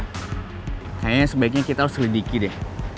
kayaknya sebaiknya kita harus selidiki deh